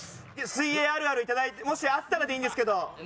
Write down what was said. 水泳あるあるいただいてもしあったらでいいんですけど。